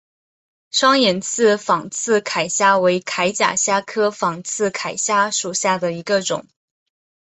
双眼刺仿刺铠虾为铠甲虾科仿刺铠虾属下的一个种。